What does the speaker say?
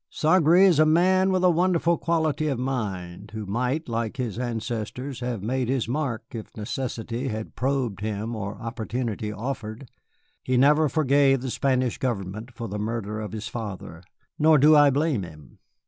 Saint Gré is a man with a wonderful quality of mind, who might, like his ancestors, have made his mark if necessity had probed him or opportunity offered. He never forgave the Spanish government for the murder of his father, nor do I blame him.